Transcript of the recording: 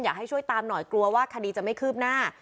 อยากให้ช่วยตามหน่อยกลัวว่าคดีจะไม่คืบหน้า